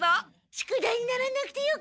宿題にならなくてよかった！